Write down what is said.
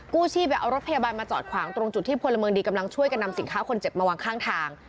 ชีพเอารถพยาบาลมาจอดขวางตรงจุดที่พลเมืองดีกำลังช่วยกันนำสินค้าคนเจ็บมาวางข้างทาง